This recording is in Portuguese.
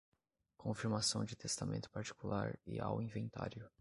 confirmação de testamento particular e ao inventário